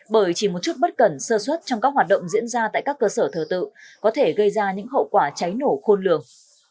bởi chỉ một chút bất cẩn sơ suất trong các hoạt động diễn ra tại các cơ sở thờ tự có thể gây ra những hậu quả cháy nổ khôn lường